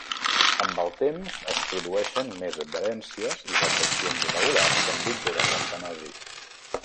Amb el temps, es produeixen més adherències i retraccions irregulars que empitjoren l'estenosi.